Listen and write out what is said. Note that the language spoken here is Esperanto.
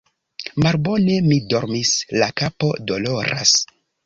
Malbone mi dormis, la kapo doloras.